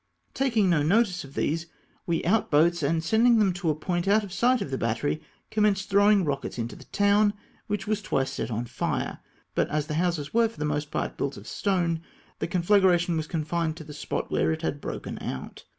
Taking no notice of these, we out boats, and sending them to a point out of sight of the battery, commenced throwing rockets into the town, which was twice set on fire ; but as the houses were for the most part built of stone, the con flagration was confined to the spot where it had broken out.